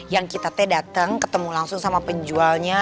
yang kita teh datang ketemu langsung sama penjualnya